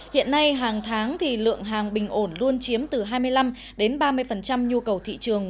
hiện nay hàng tháng thì lượng hàng bình ổn luôn chiếm từ hai mươi năm đến ba mươi nhu cầu thị trường